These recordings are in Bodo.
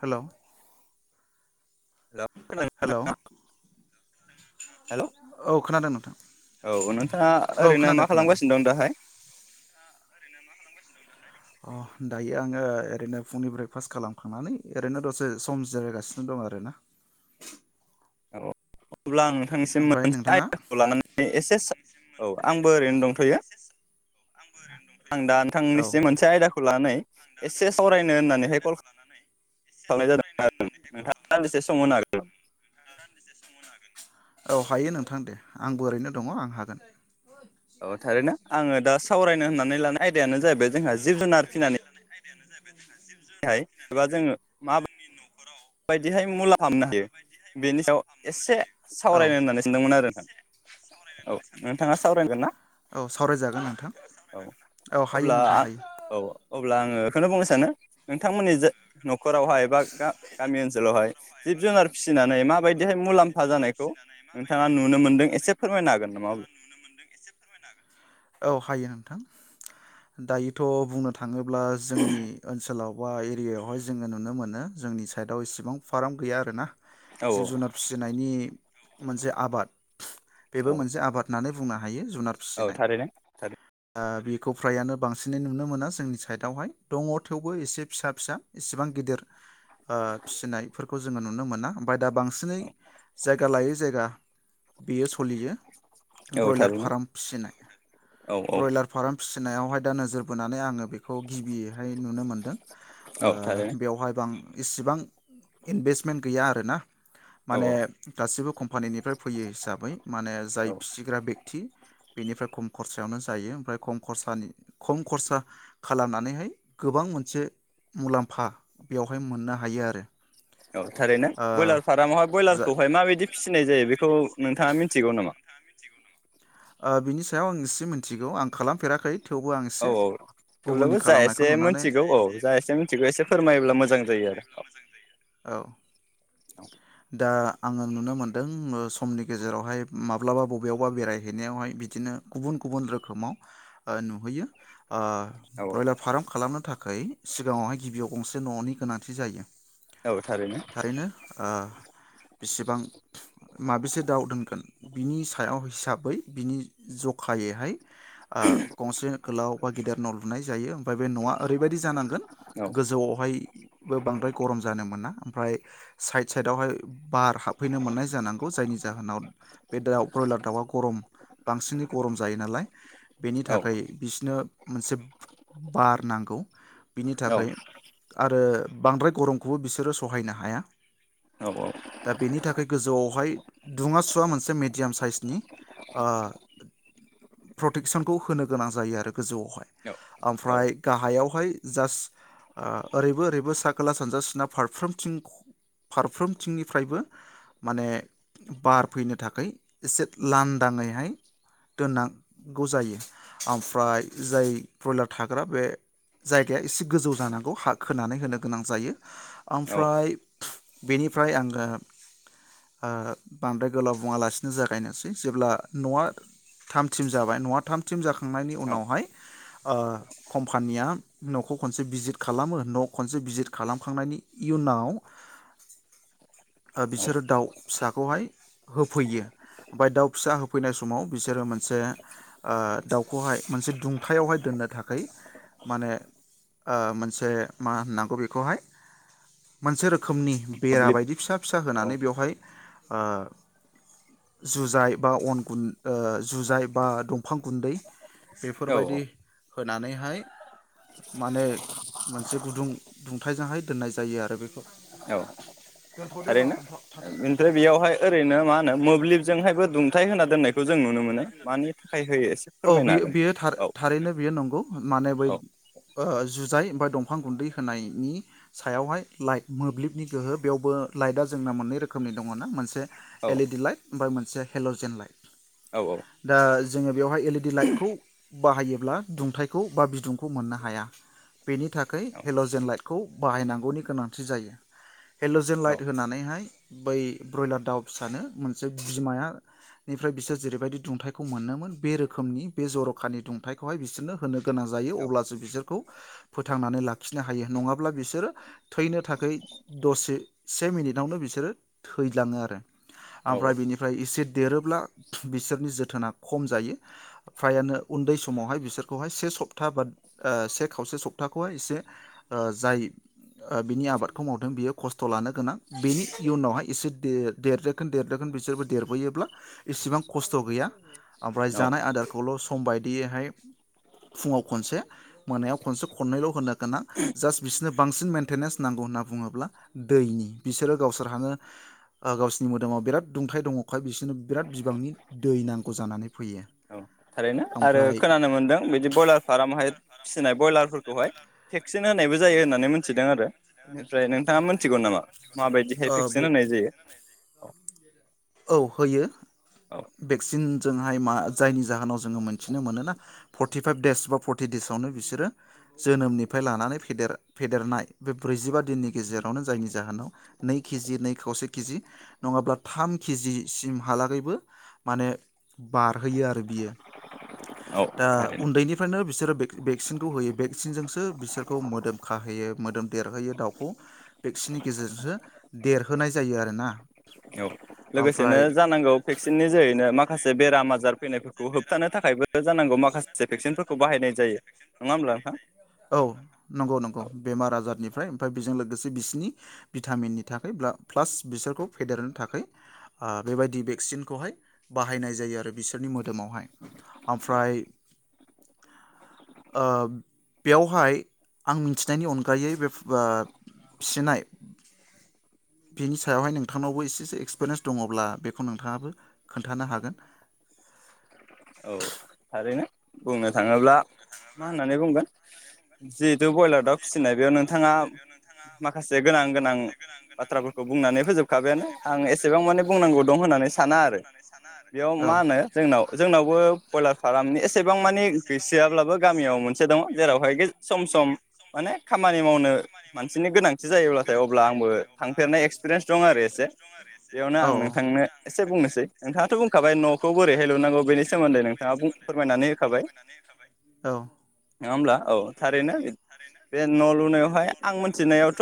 हेलौ। हेल' हेलौ हेल' औ खोनादों न? औ नोंथाङा ओरैनो मा खोनादों खालामगासिनो दं दाहाय? अ दायो आङो ओरैनो फुंनि ब्रेकफास्ट खालामखांनानै ओरैनो दसे सम जिरायगासिनो दं आरोना। औ अब्ला आं नोंथांनिसिम ओमफ्राय नोंथाङा [unintelligible] लानानै एसे [unintelligible] औ आंबो ओरैनो दंथयो। आं दा नोंथांनिसि मोनसे आयदाखौ लानानै एसे सावरायनो नोंथांनिसिम मोनसे होननानैहाय कल आयदाखौ लानानै एसे खालामनाय जादोंमोन सावरायनो आरो होननानैहाय कल नोंथाङा खालामनाय दान्दिसे जादों सम होनो हागोन नोंथाङा दान्दिसे सम होनो हागोन औ हायो नोंथां दे आंबो ओरैनो दङ आं हागोन औ थारैनो आङो दा सावरायनो होननानै लानाय आयदायानो जाहैबाय जोंहा जिब जुनार फिनानै [unintelligible] हाय एब जोङो मा बाय बायदिहाय मुलामफा मोननो हायो बेनि सायाव एसे औ सावरायनो होननानै सानदोंमोन आरो नोंथां औ नोंथाङा सावरायगोन ना औ सावरायजागोन नोंथां औ औ हायो अब्ला नोंथां आं हायो औ अब्ला आङो बेखौनो बुंनो सानो नोंथांमोननि जे नखरावहाय एबा गा गामि ओनसोलावहाय जिब जुनार फिसिनानै माबायदिहाय मुलाम फा जानायखौ नोंथाङा नुनो मोनदों एसे फोरमायनो हागोन नामा औ हायो नोंथां दायोथ बुंनो थाङोब्ला जोंनि ओनसोलाव बा एरियायावहाय जोङो नुनो मोनो जोंनि साइडआव इसिबां फार्म गैया आरो ना औ जिब जुनार फिसिनायनि मोनसे आबाद बेबो मोनसे आबाद होननानै बुङा हायो जुनार औ फिसिनाय थारैनो ओ बेखौ फ्रायानो बांसिनै नुनो मोनो जोंनि साइदआवहाय दङ थेवबो एसे फिसा फिसा इसिबां गिदिर फिसिनायफोरखौ जोङो नुनो मोना फाय दा बांसिनै जायगा लायै जायगा बेयो सलियो। औ ब्रयलार थारैनो फाराम फिसिनाय औ औ ब्रयलार फाराम फिसि नायावहाय दा नोजोर बोनानै आङो बेखौ गिबियैहाय नुनो मोन्दों। ओ औ थारैनो बेवहाय बां इसिबां इनभेस्टमेन्ट गैया आरो ना। औ माने गासिबो खम फानिनिफ्राय फैयो हिसाबै माने जाय औ बा बेगथि, बेनिफ्राय खम खरसायावनो जायो। ओमफ्राय खम खरसानि खम खरसा खालामनानैहाय गोबां मोनसे मुलाम्फा बेवहाय मोननो हायो आरो। औ थारैनो ओ बयलार फारामावहाय जा बयलारखौहाय माबायदि फिसिनाय जायो बेखौ नोंथाङा मिथिगौ नामा? ओ बिनि सायाव आं इसे मिनथिगौ आं खालामफेराखै। थेवबो आं औ एसे औ गुबुननि थेवब्लाबो जा खालामनायखौ एसे नुनानै मोनथिगौ औ जा एसे मोनथिगौ एसे फोरमायोब्ला मोजां जायो आरो। [inaudible] औ दा आङो नुनो मोनदों ओ समनि गेजेरावहाय माब्लाबा बबेयावबा बेरायहैनायावहाय बिदिनो गुबुन गुबुन रोखोमाव ओ नुहैयो। ओ औ ब्रयलार फाराम खालामनो था खै सिगाङावहाय गिबियाव गंसे न'नि गोनांथि जायो। औ थारैनो ओ बिसेबां माबेसे दाउ दोनगोन बिनि सायाव हिसाबै बिनि जखायैहाय ओ गंसे गोलाव बा गेदिर न' लुनाय जायो ओमफाय बे न'आ ओरैबायदि जानांगोन औ गोजौआवहाय बो बांद्राय नो मोना ओमफ्राय साइद साइदावहाय बार हाबफैनो मोननाय जानांगौ जायनि जाहोनाव बे दाउ ब्रयलार दाउआ गरम बांसिनै गरम जायो नालाय बेनि औ थाखै बिसनो मोनसे बार नांगौ। बिनि औ थाखै आरो बांद्राय गरमखौबो बिसोरो सहायनो हाया। औ औ दा बेनि थाखै गोजौआवहाय दुङा सुवा मोनसे मेडियाम साइसनि ओ प्रटेकसनखौ होनो गोनां जायो आरो गोजौआवहाय। ओमफ्राय गाहायावहाय जास्ट ओ ओरैबो ओरैबो साक खोला, सानजा, सोनाब फारफ्रोमथिं ख फारफ्रोमथिंनिफ्रायबो माने बार फैनो थाखै एसे लानदाङैहाय दोननां गौ जायो। ओमफ्राय जाय ब्रयलार थाग्रा बे जायगाया एसे गोजौ जानांगौ हा खोनानै होनो गोनां जायो। औ ओमफ्राय बेनिफ्राय आङो ओ बांद्राय गोलाव बुङालासिनो जागायनोसै जेब्ला न'आ थामथिम जाबाय न'आ थामथिम जाखांनायनि औ उनावहाय ओ खम्फानिया न'खौ खनसे भिजिट खालामो नख खनसे भिजिट खालामखांनायनि इयुनाव ओ बिसोरो दाउ। फिसाखौहाय होफैयो ओमफाय दाउ फिसा होफैनाय समाव बिसोरो मोनसे ओ दाउखौहाय मोनसे दुंथायावहाय दोननो थाखाय माने ओ मोनसे मा होननांगौ बेखौहाय मोनसे रोखोमनि बेरा मोब्लिब बायदि फिसा फिसा औ होनानै बेवहाय ओ जुजाइ बा अन गुन ओ जुजाइ बा दंफां गुन्दै। औ बेफोरबायदि होनानैहाय माने मोनसे गुदुं दुंथाय जोंहाय दोननाय जायो आरो बेखौ दोनथ' दे र' थारैनो दोनथ'। ओमफ्राय बेयावहाय ओरैनो मा होनो मोब्लिब जोंहायबो दुंथाय होना दोननायखौ जों नुनो मोनो मानि थाखाय होयो एसे फोरमायनो हागोन? औ। खौ माने बै औ ओ जुजाइ बा दं दंफां गुन्दै होनायनि सायावहाय लाइट मोब्लिबनि गोहो बेयावबो लाइटआ जोंना मोननै रोखोमनि दङ ना मोनसे औ एलइडि लाइट ओमफाय मोनसे हेलजेन लाइट औ दा जोङो बेवहाय एलइडि लाइटखौ बाहायोब्ला दुंथाइखौ बा बिदुंखौ मोननो हाया बेनि थाख खाय हेलजेन लाइटखौ बाहायनांगौनि गोनांथि जायो हेलजेन लाइट होनानैहाय बै ब्रयलार दाउ फिसानो मोनसे बिमाया निफ्राय बिसोर जेरैबायदि दुंथाइखौ मोनोमोन बे रोखोमनि बे जर'खानि दुंथाइखौहाय बिसोरनो होनो गोनां जायो अब्लासो बिसोरखौ फोथ थांनानै लाखिनो हायो नङाब्ला बिसोरो थैनो थाखाय दसे से मिनिटआवनो बिसोरो थैलाङो आरो औ ओमफ्राय बिनिफ्राय एसे देरोब्ला बिसोरनि जोथोना खम जायो फ्रायानो उन्दै समावहाय बिसोरखौहाय से सब्था बा से खावसे सब [unintelligible] एसे ओ जाय ओ बिनि आबादखौ मावदों बियो खस्थ' लानो गोनां बेनि इयनावहाय एसे देर देरदोखोन देरदोखोन बिसोरबो देरबोयोब्ला इसेबां खस्थ' गैया ओमफ्राय औ जानाय आदारखौल सम बायदियैहाय फुङाव खनसे मोनायाव खनसे खननैल' होनो गोना जास्ट बिसोरनो बांसिन मेेनटेनेन्स नांगौ होनना बुङोब्ला दैनि बिसोरो गावसोरहानो गावसोनि मोदोमाव बिराद दुंथाइ दङखाय बिसोरनो बिराद बिबांनि दै नांगौ जानानै फैयो। थारैनो आरो ओमफ्राय खोनानो मोन्दों बिदि बयलार फारामहाय फिसिनाय बयलारफोर खौहाय थेक्स। [unintelligible] होनायबो जायो होननानै मिथिदों आरो बेनिफ्राय नोंथाङा मोनथिगौ नामा माबायदिहाय ओ भेक्सिन होनाय जायो? औ। औ होयो औ भेक्सिन जोङो। मा जायनि जाहोनाव जोङो मोनथिनो मोनोना फरटिफाइभ देस बा फरटि देसावनो बिसोरो जोनोमनिफ्राय लानानै फेेर फेदेरनाय बे ब्रैजिबा दिननि गेजेरावनो जायनि जाहोनाव नै केजि नै खावसे केजि नङाब्ला थाम केजि सिमहालागैबो माने बारहोयो आरो बियो औ दा थारैनो उन्दैनिफ्रायनो बिसोर बिसोरो भेक्सिनखौ होयो भेक्सिनजोंसो बिसोरखौ मोदोम खाहोयो मोदोम देरहोयो दाउखौ भेक्सिननि गेजेरजोंसो देरहोनाय जायो आरोना औ। लोगोसेनो जानांगौ भेक्सिननि जोहैनो माखासे बेराम आजार फैनाय फोरखौ भेक्सिनफोरखौ बाहायनाय जायो नङा होमब्ला नोंथां औ नंगौ नंगौ औ बेमार आजारनिफ्राय लोगोसे बिसोरनि भिटामिननि थाखाय प्लास बिसोरखौ फेदेरनो थाखाय बेबायदि भेक्सिनखौहाय बाहायनाय जायो आरो बिसोर मोदोमावहाय। ओमफ्राय ओ बेयावहाय आं मिथिनायनि अनगायै बे फिसिनाय बिनि सायावहाय नोंथांनावबो एसेसो एक्सपिरियेन्स दङब्ला बेखौ नोंथाङाबो खोन्थानो हागोन औ थारैनो बुंनो थाङोब्ला मा होननानै बुंगोन जेद ज ब्रयलार दाव फिसिनाय बेयाव नोंथाङा माखासे गोनां गोनां बाथ्राफोरखौ बुंनानै फोजोबखाबायानो आं एसेबां माने बुंनांगौ दं होननानै साना आरो बेयाव औ औ मा होनो जोंनाव जोंनावबो ब्रयलार फार्मनि एसेबां मानि गैसोयाब्लाबो गामियाव मोनसे दङ जेरावहाय गेज सम सम माने खामानि मावनो मानसिनि गोनांथि जायोब्लाथाय अब्ला आंबो थांफेरनाय एक्सपिरियेन्स दं आरो एसे बेयावनो आं नोंथांनो एसे बुंनोसै नोंथाङाथ बुंखाबाय न'खौ बोरैहाय लुनांगौ बेनि सोमोन्दै नोंथाङा बुं फोरमायनानै होखाबाय औ नङा होमब्ला औ थारैनो बे न' लुनायावहाय आं मोनथिनायावथ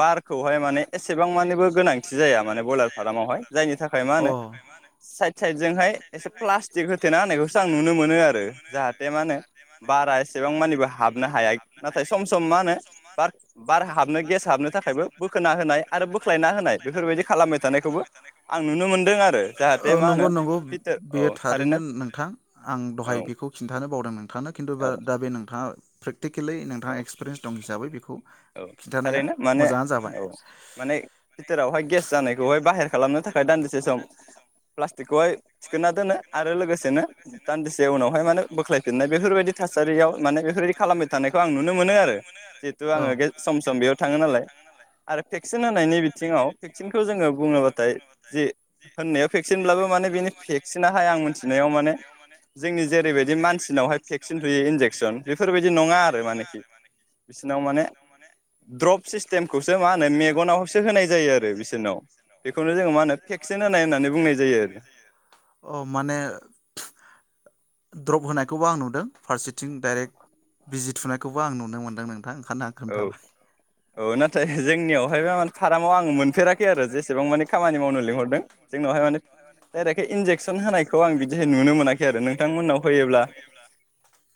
बारखौहाय माने एसेबां मानिबो गोनांथि जाया माने बयलार फार्मावहाय जायनि थाखाय मा अ होनो साइद साइदजोंहाय एसे प्लास्टिक होथेना होननायखौसो आं नुनो मोनो आरो जाहाथे मा होनो बारा एसेबां मानिबो हाबनो हाया नाथाय सम सम मा होनो बार बार हाबनो गेस हाबनो थाखायबो बोखोना होनाय आरो बोख्लायना होनाय बेफोरबायदि खालामबाय थानायखौबो आं नुनो मोनदों आरो औ जाहाथे मा नंगौ होनो नंगौ फिथार थारैनो नोंथां आं औ दहाय बेखौ खिन्थानो बावदों नों थांनो खिन्थु बा औ दा बे नोंथाङा प्रेक्टिक केललि नोंथा औ एक्सपिरियन्स दं हिसै बेखौ औ खिन्थानाया थारैनो माने मोजाङानो औ माने बिथोरावहाय गेस जानायखौहाय बाहेर खालामनो थाखाय दान्दिसे सम प्लास्टिकखौहाय थिखोना दोनो आरो लोगोसेनो दान्दिसे उनावहाय माने बोख्लायफिननाय बेफोरबायदि थासारियाव माने बेफोरबायदि खालामबाय थानाय आं नुनो मोनो आरो जिहेतु औ आङो सम सम बेयाव थाङो नालाय आरो भेक्सिन होनायनि बिथिङाव भेक्सिनखौ जोङो बुङो बाथाय जे होननायाव भेक्सिनब्लाबो माने बेनि भेक्सिनाहाय आं मिथिनायाव माने जोंनि जेरैबायदि मानसि नावहाय भेक्सिन थुयो इनजेकसन बेफोरबायदि नङा आरो मानेखि। बिसिनाव माने माने द्रप सिसथेमखौसो मा होनो मेगनावसो होनाय जायो आरो बिसोरनाव बेखौनो जों मा होनो भेक्सिन होनाय होनना बुंनाय जायो आरो औ माने द्रप होनायखौबो आं नुदों फारसेथिं डाइरेक्ट भिजि थुनाय। खौबो आं नुनो मोनदों नों औ औ नाथाय जोंनियाव हाय [unintelligible] फारामाव आङो मोनफेराखै आरो जेसेबां माने खामानि मावनो लिंहरदों जोंनावहाय माने दायरेकहाय इन्जेक। एक्सन होनायखौ आं बिदिहाय नुनो मोनाखै आरो नोंथांमोननाव होयोब्लाबो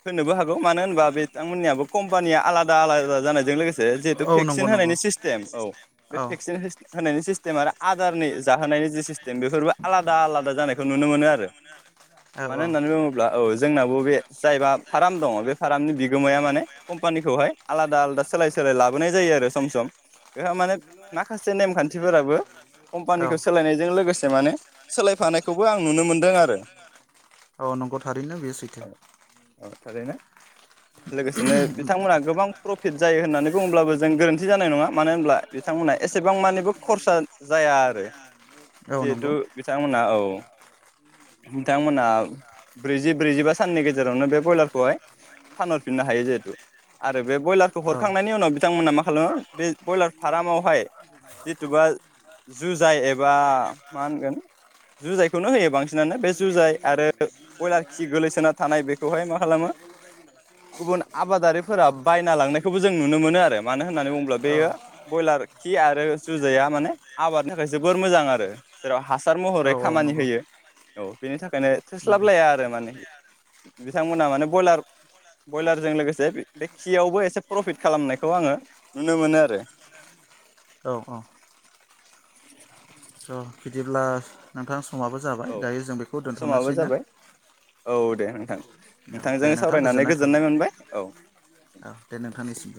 होनोबो हागौ गौ मानो होनबा बिथांमोन नियाबो कम्पानिया आलादा आलादा होनायजों‌ लोगोसे जेहेथु औ नंगौ भेक्सिन नंगौ होनायनि सिसथेम औ औ औ [unintelligible] सिस्टेम आरो आदारनि। जाहोनायनि जि सिस्टेम बेफोरबो आलादा आलादा जानायखौ नुनो मोनो आरो मानो होननानै बुङोब्ला औ जोंनाबो बे जायबा फार्म दङ बे फार्मनि बिगोमाया माने कम्पानिखौहाय आलादा दा आलादा सोलाय सोलाय लाबोनाय जायो आरो सम सम। बेहा माने माखासे नेमखान्थिफोराबो औ औ कम्पानिखौ सोलायनायजों लोगोसे माने सोलायफानायखौबो आं नुनो मोनदों आरो। औ नंगौ थारैनो बेयो सैथो औ थारैनो। लोगोसेनो बिथांमोनहा गोबां। जायो होननानै बुङोब्लाबो जों गोरोन्थि जानाय नङा। मानो होनब्ला बिथांमोनहा एसेबां मानिबो खरसा जाया आरो। औ नंगौ जिहेथु बिथांमोना औ। नोंथांमोना ब्रैजि ब्रैजिबा साननि गेजेरावनो बे ब्रयलारखौहाय फानहरफिननो हायो जिहेतु आरो बे ब्रयलारखौ औ हरखांनायनि उनाव बिथांमोना मा खालाम बे ब्रयलार फार्ममावहाय जिथुबा जुजाइ एबा मा होनगोन जुजायखौनो होयो बांसिनानो बे जुजाय आरो बयलार खि गोलैसोना थानाय बेखौहाय मा खालामो गुबुन आबादारिफोरा बायना लांनायखौबो जों नुनो मोनो आरो मानो होननानै बुङोब्ला औ बेयो ब्रयलार खि आरो जुजाया माने आबादनि थाखाय जोबोर मोजां आरो जेराव हासार औ महरै औ खामानि नंगौ होयो। औ बेनि थाखायनो नंगौ थोस्लाबलाया आरो माने बिथांमोना माने ब्रयलार ब्रयलारजों लोगोसे खियावबो एसे प्रफिट खालामनायखौ आङो नुनो मोनो आरो। औ औ। स' बिदिब्ला नोंथां। समाबो जाबाय औ दायो जों बेखौ समाबो दोन्थनोसै ना? जाबाय औ दे नोंथां। औ दे नोंथांजों नोंथां सावरायनानै गोजोननाय थाबाय मोनबाय औ औ दे नोंथांनिसिम